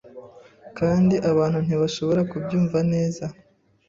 Kandi abantu ntibashobora kubyumva neza